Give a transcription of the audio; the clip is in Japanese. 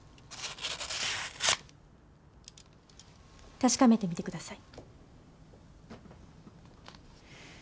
確かめてみてください。